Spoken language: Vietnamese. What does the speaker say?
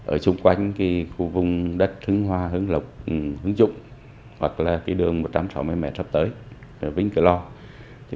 ở chung quanh khu vùng đất hưng hoa hưng lộc hưng dụng hoặc là đường một trăm sáu mươi m sắp tới vinh cửa lò